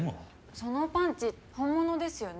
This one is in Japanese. そのパンチ本物ですよね？